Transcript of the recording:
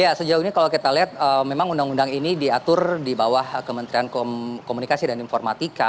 ya sejauh ini kalau kita lihat memang undang undang ini diatur di bawah kementerian komunikasi dan informatika